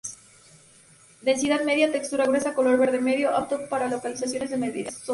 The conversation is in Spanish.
Densidad media, textura gruesa, color verde medio, apto para localizaciones de media sombra.